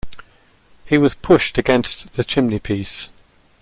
He was pushed against the chimney-piece.